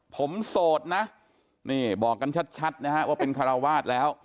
ผมโสดนะนี่บอกกันชัดนะฮะว่าเป็นคาราวาสแล้ว